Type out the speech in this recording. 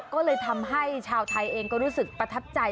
ก็เลยทำให้ชาวไทยเองก็รู้สึกประทับใจ